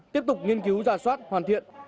tiếp tục nghiên cứu giả soát hoàn thiện